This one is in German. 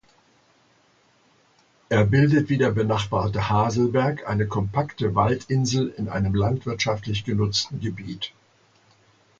Er bildet wie der benachbarte Haselberg eine kompakte Waldinsel in einem landwirtschaftlich genutzten Gebiet.